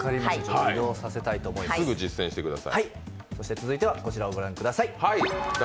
続いてはこちらを御覧ください。